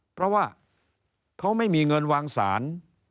เพราะว่าเขาไม่มีเงินวางสาร